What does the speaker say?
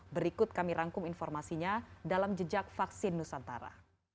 berikut kami rangkum informasinya dalam jejak vaksin nusantara